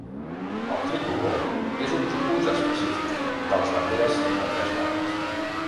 El tricolor és un tipus específic de les banderes de tres bandes.